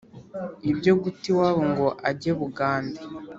ibyo guta iwabo ngo age bugande